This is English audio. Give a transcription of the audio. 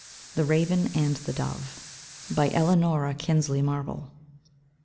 _ THE RAVEN AND THE DOVE. ELANORA KINSLEY MARBLE.